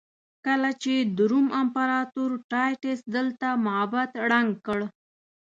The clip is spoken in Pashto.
کله چې د روم امپراتور ټایټس دلته معبد ړنګ کړ.